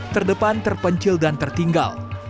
terdepan terpencil dan tertinggal